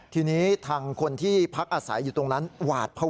ทีนี้ทางคนที่พักอาศัยอยู่ตรงนั้นหวาดภาวะ